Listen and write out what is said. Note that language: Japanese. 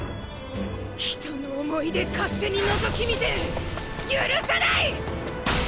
人の思い出勝手に覗き見て許さない！